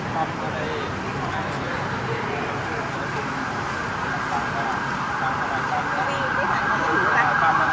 จนถือที่สุดนะครับจนคดีจบนะครับ